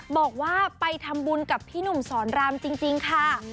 บอกว่าไปทำบุญกับพี่หนุ่มสอนรามจริงค่ะ